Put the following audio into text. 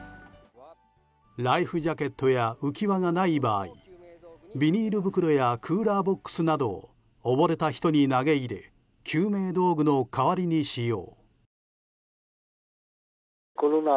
ライフジャケットや浮き輪がない場合ビニール袋やクーラーボックスなどを溺れた人に投げ入れ救命道具の代わりに使用。